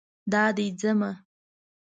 دا دی ځمه